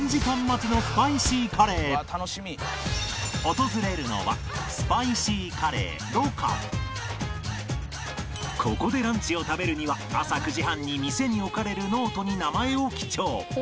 訪れるのはここでランチを食べるには朝９時半に店に置かれるノートに名前を記帳